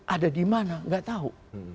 ada di mana nggak tahu